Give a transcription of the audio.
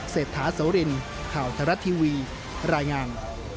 เศษฐาเสาเรนข่าวทรัฐทีวีรายงาม